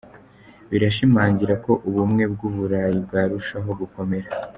Birashimangira ko Ubumwe bw'uburayi bwarushaho gukomera.